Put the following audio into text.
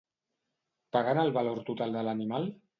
Paguen el valor total de l'animal?